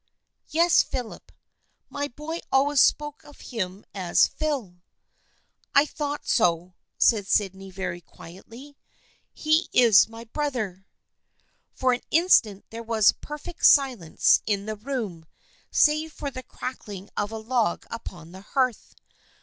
Yes, Philip. My boy always spoke of him as Phil." " I thought so," said Sydney, very quietly. " He is my brother." For an instant there was perfect silence in the room, save for the crackling of a log upon the hearth.